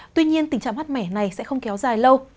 tuy nhiên tình trạng mát mẻ này sẽ không kéo dài lâu